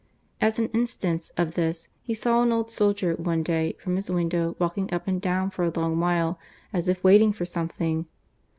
As an instance of this, he saw an old soldier, one day, from his window, walking up and down for a long while, as if waiting for something.